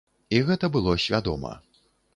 І гэта было свядома.